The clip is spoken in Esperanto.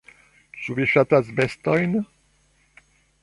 Ĉu vi ŝatas bestojn?